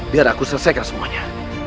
biar aku selesaikan semuanya